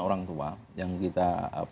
orang tua yang kita